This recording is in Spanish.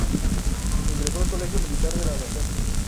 Ingresó en el Colegio Militar de la Nación.